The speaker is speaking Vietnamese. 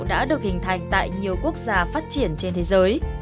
đã được hình thành tại nhiều quốc gia phát triển trên thế giới